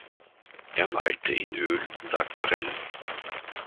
Er malte in Öl und Aquarell.